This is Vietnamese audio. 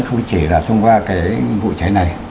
không chỉ là thông qua cái vụ cháy này